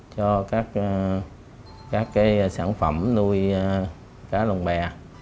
cho các sản phẩm nuôi cá lồng bè